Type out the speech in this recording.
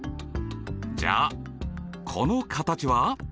じゃあこの形は？